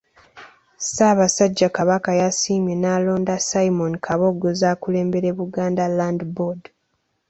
Ssaabasajja Kabaka yasiimye n’alonda Simon Kabogoza akulembere Buganda land Board.